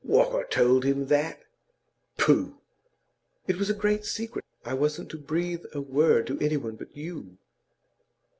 'Walker told him that? Pooh!' 'It was a great secret. I wasn't to breathe a word to any one but you.